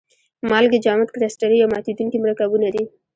مالګې جامد کرستلي او ماتیدونکي مرکبونه دي.